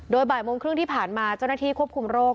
โดยบ่ายโมงครึ่งที่ผ่านมาเจ้าหน้าที่ควบคุมโรค